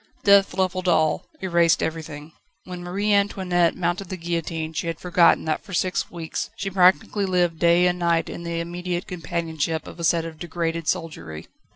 Death levelled all, erased everything. When Marie Antoinette mounted the guillotine she had forgotten that for six weeks she practically lived day and night in the immediate companionship of a set of degraded soldiery.